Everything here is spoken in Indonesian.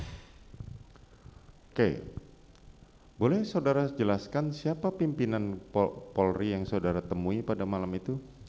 oke boleh saudara jelaskan siapa pimpinan polri yang saudara temui pada malam itu